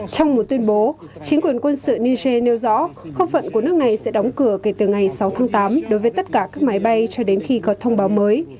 trong một tuyên bố chính quyền quân sự niger nêu rõ không phận của nước này sẽ đóng cửa kể từ ngày sáu tháng tám đối với tất cả các máy bay cho đến khi có thông báo mới